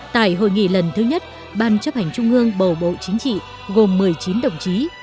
tại hội nghị lần thứ nhất ban chấp hành trung ương bầu bộ chính trị gồm một mươi chín đồng chí